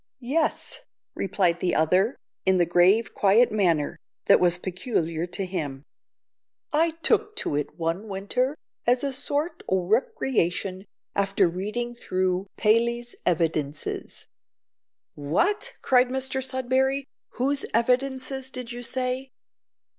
"Yes," replied the other, in the grave quiet manner that was peculiar to him; "I took to it one winter as a sort o' recreation, after readin' through `Paley's Evidences.'" "What!" cried Mr Sudberry, "whose Evidences did you say?"